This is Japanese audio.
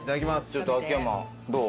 ちょっと秋山どう？